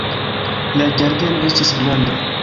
La ĝardeno estis granda.